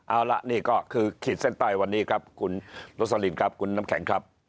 เอาล่ะนี่ก็คือขีดเส้นใต้วันนี้ครับคุณโรสลินครับคุณน้ำแข็งครับ